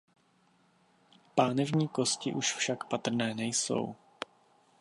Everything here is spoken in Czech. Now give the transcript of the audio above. Pánevní kosti už však patrné nejsou.